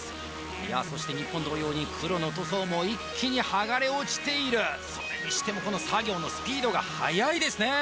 いやそして日本同様に黒の塗装も一気に剥がれ落ちているそれにしてもこの作業のスピードが速いですね